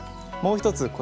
もう一つ